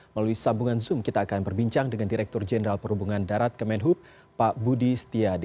melalui sambungan zoom kita akan berbincang dengan direktur jenderal perhubungan darat kemenhub pak budi setiadi